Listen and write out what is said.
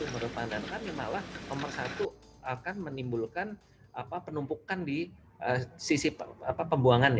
menurut pandangan kami malah nomor satu akan menimbulkan penumpukan di sisi pembuangan